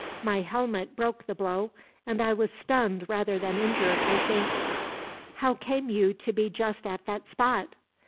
My helmet broke the blow, and I was stunned rather than injured, I think. "How came you to be just at that spot?"